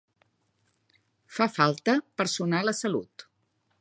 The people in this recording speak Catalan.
Fa falta personal a Salut